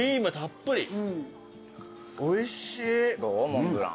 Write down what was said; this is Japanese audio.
モンブラン。